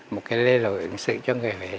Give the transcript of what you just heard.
một cái lê lộ ứng xử cho người huế